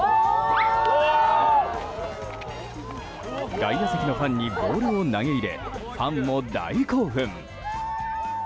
外野席のファンにボールを投げ入れファンも大興奮！